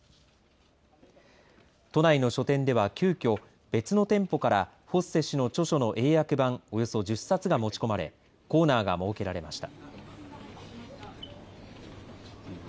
都内の書店では急きょ別の店舗からフォッセ氏の著書の英訳版およそ１０冊が持ち込まれコーナーが設けられました。